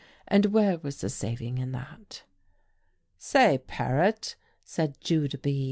And where was the saving in that? "Say, Paret," said Judah B.